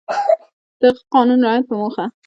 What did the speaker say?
د هغه قانون رعایت په موخه